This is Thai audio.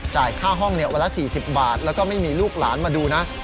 จ่ายค่าห้องเนี่ยวันละสี่สิบบาทแล้วก็ไม่มีลูกหลานมาดูนะ